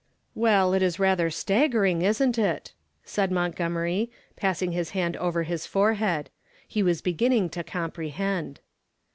"Well, it is rather staggering, isn't it?" said Montgomery, passing his hand over his forehead. He was beginning to comprehend.